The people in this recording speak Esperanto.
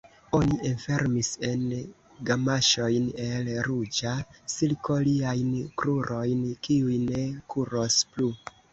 Oni enfermis en gamaŝojn el ruĝa silko liajn krurojn, kiuj ne kuros plu.